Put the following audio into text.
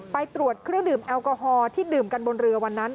ไปตรวจเครื่องดื่มแอลกอฮอล์ที่ดื่มกันบนเรือวันนั้น